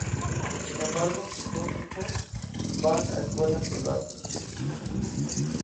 Sin embargo, sus dos hijos van a escuelas privadas.